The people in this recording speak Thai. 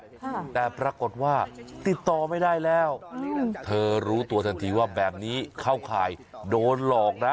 ค่ะแต่ปรากฏว่าติดต่อไม่ได้แล้วเธอรู้ตัวทันทีว่าแบบนี้เข้าข่ายโดนหลอกนะ